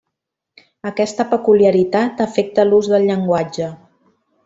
Aquesta peculiaritat afecta l'ús del llenguatge.